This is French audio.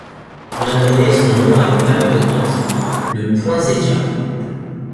On a donné son nom à une famille de plantes, le Poinsettia.